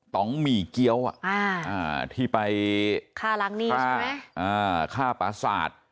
ตองหมี่เกี้ยวอ่ะอ่าที่ไปค่าล้ำนี้ใช่ไหมอ่าค่าปาศาจ